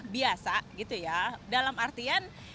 biasa gitu ya dalam artian